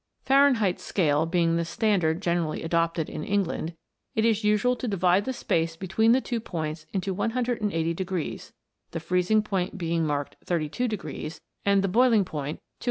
Fah renheit's scale being the standard generally adopted in England, it is usual to divide the space between the two points into 180 degrees, the freezing point being marked 32, and the boiling point 112.